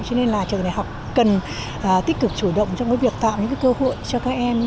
cho nên là trường đại học cần tích cực chủ động trong việc tạo những cơ hội cho các em